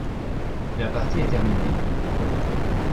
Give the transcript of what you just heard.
La partie est terminée ?